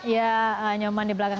ya nyaman dibelakang